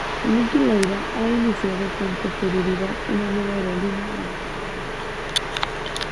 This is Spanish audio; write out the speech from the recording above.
Niki Lauda ha iniciado con posterioridad una nueva aerolínea denominada Niki.